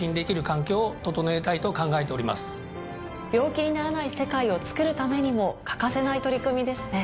病気にならない世界をつくるためにも欠かせない取り組みですね。